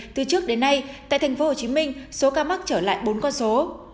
từ trước đến nay tại tp hcm số ca mắc trở lại bốn con số